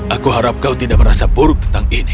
aku harap kau tidak merasa buruk tentang ini